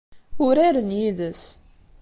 Uraren yid-s.